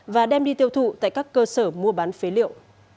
và đem đi tiêu thụ tại các cơ sở mua bán phế liệu